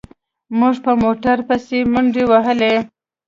موږ په موټر پسې منډې وهلې.